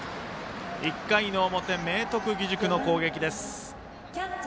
１回の表、明徳義塾の攻撃です。